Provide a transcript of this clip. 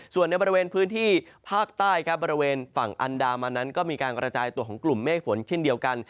ส่วนในบริเวณพื้นที่ภาคใต้ครับบริเวณฝั่งอันดามันนั้นก็มีการกระจายตัวของกลุ่มเมฆฝนเช่นเดียวกัน